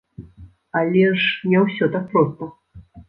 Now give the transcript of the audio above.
Але ж не ўсё так проста.